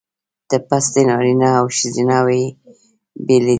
د پستې نارینه او ښځینه ونې بیلې دي؟